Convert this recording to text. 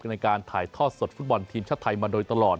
ในการถ่ายทอดสดฟุตบอลทีมชาติไทยมาโดยตลอด